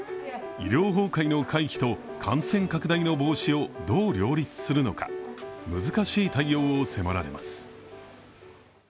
医療崩壊の回避と感染拡大の防止をどう両立するのか、難しい対応を迫られます。